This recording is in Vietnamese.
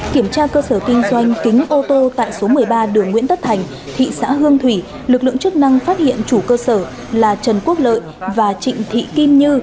kiểm tra cơ sở kinh doanh kính ô tô tại số một mươi ba đường nguyễn tất thành thị xã hương thủy lực lượng chức năng phát hiện chủ cơ sở là trần quốc lợi và trịnh thị kim như